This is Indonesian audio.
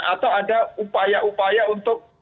atau ada upaya upaya untuk